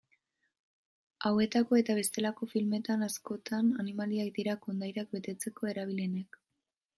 Hauetako eta bestelako filmetan, askotan animaliak dira kondairak betetzeko erabilienak.